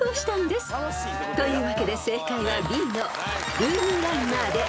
［というわけで正解は］